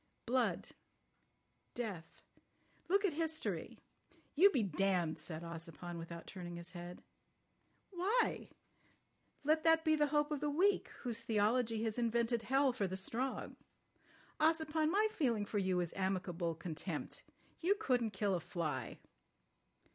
Blood. Death. Look at history." "You be damned," said Ossipon, without turning his head. "Why? Let that be the hope of the weak, whose theology has invented hell for the strong. Ossipon, my feeling for you is amicable contempt. You couldn't kill a fly."